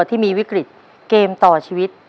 ที่มีวิกฤตเกมต่อชีวิต